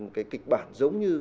cái kịch bản giống như